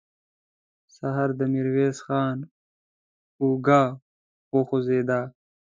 سهار د ميرويس خان اوږه وخوځېده.